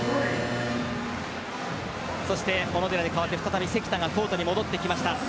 そして小野寺に代わって再び関田がコートに戻ってきました。